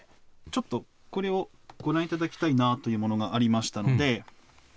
ちょっとこれをご覧いただきたいなというものがありましたので。